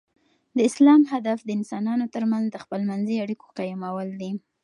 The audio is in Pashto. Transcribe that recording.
د اسلام هدف د انسانانو تر منځ د خپل منځي اړیکو قایمول دي.